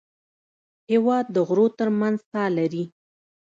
هېواد د غرو تر منځ ساه لري.